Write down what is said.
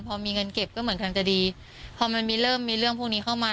พอมีเงินเก็บก็เหมือนกันจะดีพอมันมีเริ่มมีเรื่องพวกนี้เข้ามา